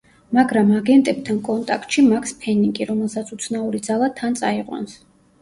მაგრამ აგენტებთან კონტაქტში მაქს ფენინგი, რომელსაც უცნაური ძალა თან წაიყვანს.